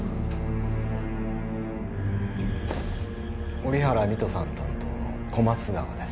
折原美都さん担当の小松川です。